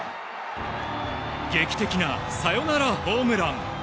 劇的なサヨナラホームラン。